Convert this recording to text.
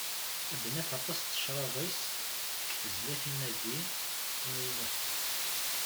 Ad naf aṭas n tecraḍ-is deg tezlatin-agi timaynutin.